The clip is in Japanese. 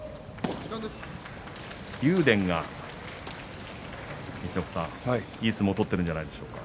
竜電が陸奥さん、いい相撲を取っているんじゃないですか。